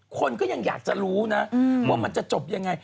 คนก็ยังอยากจะรู้นะว่ามันจะจบยังไง